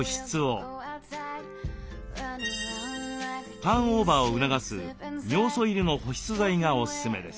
ターンオーバーを促す尿素入りの保湿剤がオススメです。